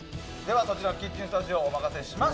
キッチンスタジオお任せします。